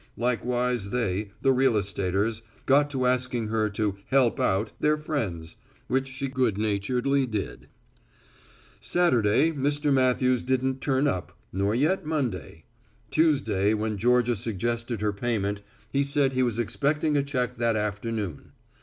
Likewise they, the real estaters, got to asking her to "help out" their friends, which she good naturedly did in hours. Saturday Mr. Matthews didn't turn up, nor yet Monday. Tuesday when Georgia suggested her payment, he said he was expecting a check that afternoon.